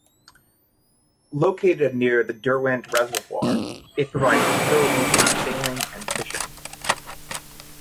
Located near the Derwent Reservoir, it provides facilities for sailing and fishing.